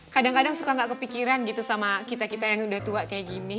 kadang kadang suka gak kepikiran gitu sama kita kita yang udah tua kayak gini